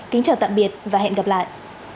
kính chào tạm biệt và hẹn gặp lại